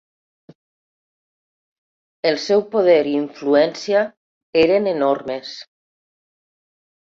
El seu poder i influència eren enormes.